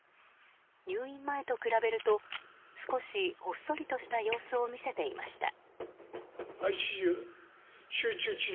入院前と比べると少しほっそりとした様子を見せていました。